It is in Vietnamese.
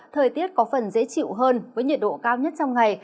thời tiết có phần dễ chịu hơn với nhiệt độ cao nhất trong ngày